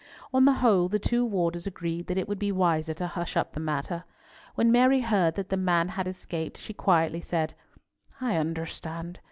On the whole, the two warders agreed that it would be wiser to hush up the matter. When Mary heard that the man had escaped, she quietly said, "I understand.